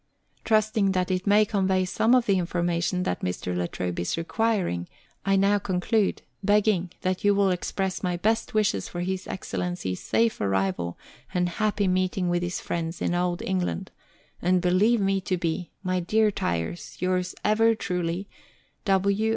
Trusting that it may convey some of the information that Mr. La Trobe is requiring, I now conclude, begging that you will express my best wishes for His Excellency's safe arrival and happy meeting with his friends in Old England, and believe me to be, My dear Tyers, yours ever truly, W.